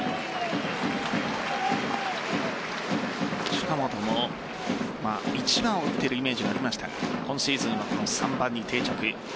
近本も１番を打っているイメージがありましたが今シーズンは３番に定着。